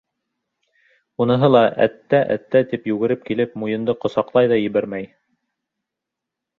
Уныһы ла «әттә, әттә» тип йүгереп килеп муйынды ҡосаҡлай ҙа ебәрмәй.